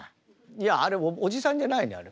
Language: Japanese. いやあれおじさんじゃないねあれ。